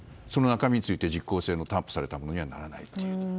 その中身について実効性の担保されたものにはならないという。